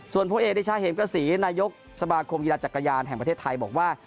ส่วนพ่อเอดิชาเห็นกฤษีนายกสมาคมยีรัติจักรยานแห่งประเทศไทยบอกว่า